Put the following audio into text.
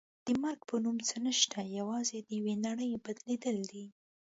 د مرګ په نوم څه نشته یوازې د یوې نړۍ بدلېدل دي.